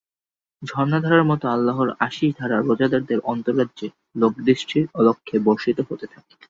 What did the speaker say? ঝরনাধারার মতো আল্লাহর আশিসধারা রোজাদারদের অন্তররাজ্যে লোকদৃষ্টির অলক্ষ্যে বর্ষিত হতে থাকে।